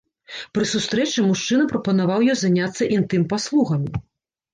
Пры сустрэчы мужчына прапанаваў ёй заняцца інтым-паслугамі.